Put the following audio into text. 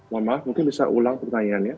mohon maaf mungkin bisa ulang pertanyaannya